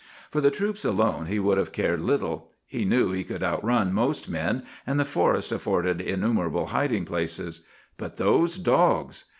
"For the troops alone he would have cared little. He knew he could outrun most men, and the forest afforded innumerable hiding places. But those dogs!